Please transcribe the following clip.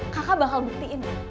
kakak bakal buktiin